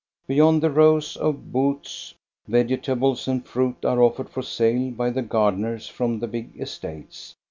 Beyond the rows of booths, vegetables and fruit are offered for sale by the gardeners from the big estates.